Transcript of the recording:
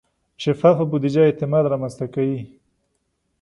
شفافه بودیجه اعتماد رامنځته کوي.